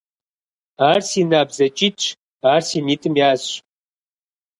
Ар си набдзэкӀитӀщ, ар си нитӀым язщ.